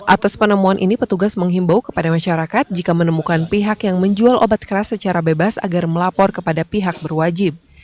atas penemuan ini petugas menghimbau kepada masyarakat jika menemukan pihak yang menjual obat keras secara bebas agar melapor kepada pihak berwajib